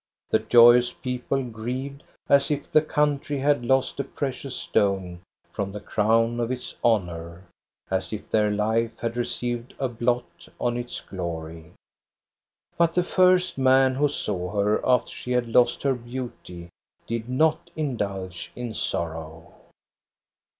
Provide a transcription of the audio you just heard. The joyous people grieved, as if the country had lost a precious stone from the crown of its honor, as if their life had received a blot on its glory. But the first man who saw her after she had lost her beauty did not indulge in sorrow.